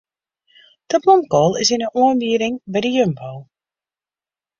De blomkoal is yn de oanbieding by de Jumbo.